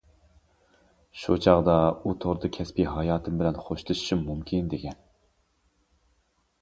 شۇ چاغدا ئۇ توردا كەسپىي ھاياتىم بىلەن خوشلىشىشىم مۇمكىن دېگەن.